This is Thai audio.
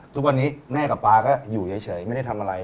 ทุกวันนี้แม่กับป๊าก็อยู่เฉยไม่ได้ทำอะไร